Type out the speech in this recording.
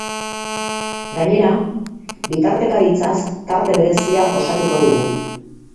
Gainera, bitartekaritzaz tarte berezia osatuko dugu.